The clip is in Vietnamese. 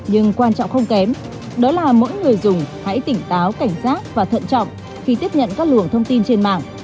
nhưng quan trọng không kém đó là mỗi người dùng hãy tỉnh táo cảnh giác và thận trọng khi tiếp nhận các luồng thông tin trên mạng